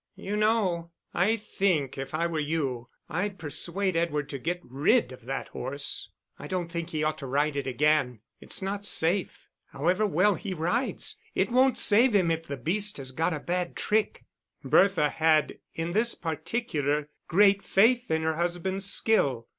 "You know, I think, if I were you, I'd persuade Edward to get rid of that horse. I don't think he ought to ride it again. It's not safe. However well he rides, it won't save him if the beast has got a bad trick." Bertha had in this particular great faith in her husband's skill.